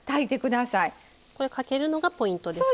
これかけるのがポイントですか？